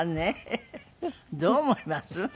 どう思います？